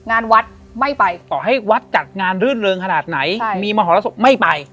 งานวัดไม่ไปต่อให้วัดจัดงานรื่นเริงขนาดไหนมีมหรสบไม่ไป